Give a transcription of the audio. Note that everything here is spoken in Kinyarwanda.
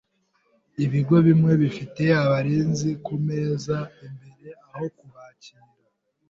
Ibigo bimwe bifite abarinzi kumeza imbere aho kubakira.